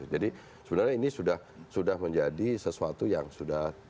jadi sebenarnya ini sudah menjadi sesuatu yang sudah